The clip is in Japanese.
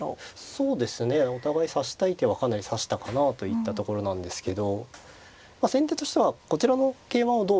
そうですねお互い指したい手はかなり指したかなといったところなんですけど先手としてはこちらの桂馬をどう使っていくか。